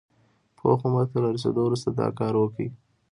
پوخ عمر ته له رسېدو وروسته دا کار وکړي.